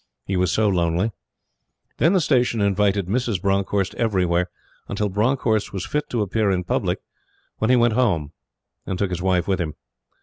He was so lonely. Then the Station invited Mrs. Bronckhorst everywhere, until Bronckhorst was fit to appear in public, when he went Home and took his wife with him.